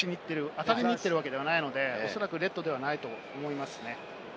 当たりに行ってるわけではないので、レッドではないと思いますね。